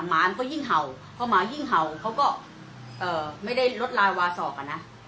หมานก็ยิ่งเห่าเพราะหมายิ่งเห่าเขาก็ไม่ได้ลดลายวาศอกอะนะ